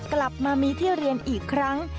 กลับมามีที่เรียนอีกครั้ง